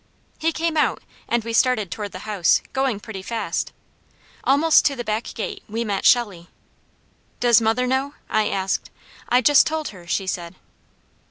He came out and we started toward the house, going pretty fast. Almost to the back gate we met Shelley. "Does mother know?" I asked. "I just told her," she said.